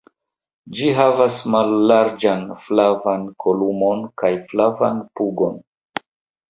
Ĝi havas mallarĝan flavan kolumon kaj flavan pugon.